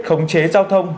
khống chế giao thông